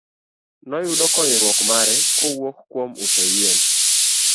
Noyudo konyruok mare kowuok kuom uso yien.